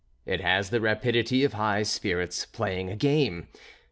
It has the rapidity of high spirits playing a game.